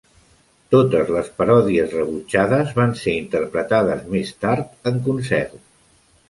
Totes les paròdies rebutjades van ser interpretades més tard en concert.